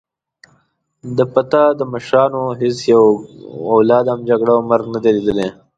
د فتح د مشرانو هیڅ یوه اولاد هم جګړه او مرګ نه دی لیدلی.